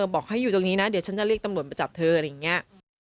บอกให้อยู่ตรงนี้นะเดี๋ยวฉันจะเรียกตำรวจมาจับเธออะไรอย่างนี้